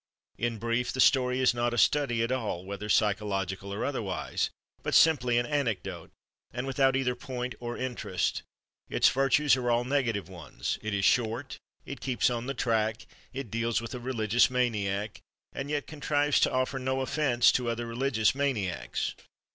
In brief, the story is not a "study" at all, whether psychological or otherwise, but simply an anecdote, and without either point or interest. Its virtues are all negative ones: it is short, it keeps on the track, it deals with a religious maniac and yet contrives to offer no offense to other religious maniacs.